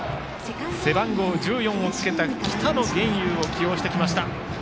背番号１４をつけた北野元優を起用してきました。